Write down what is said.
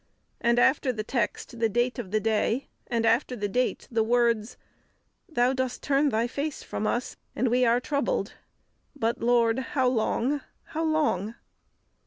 and after the text the date of the day, and after the date the words, "Thou dost turn Thy face from us, and we are troubled; but, Lord, how long, how long?"